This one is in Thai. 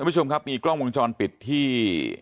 พี่สุดพิงกล้องวงชณ์ปิดที่